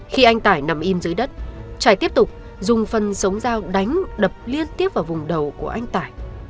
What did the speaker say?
khi anh tải nằm im dưới đất trải tiếp tục dùng phần sống dao đánh đập liên tiếp vào vùng đầu của anh tải